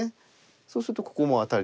そうするとここもアタリ。